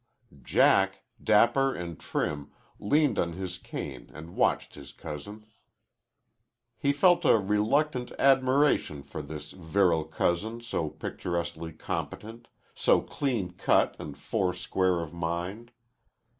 Jack, dapper and trim, leaned on his cane and watched his cousin. He felt a reluctant admiration for this virile cousin so picturesquely competent, so clean cut and four square of mind.